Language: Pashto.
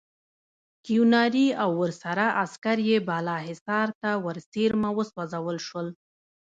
کیوناري او ورسره عسکر یې بالاحصار ته ورڅېرمه وسوځول شول.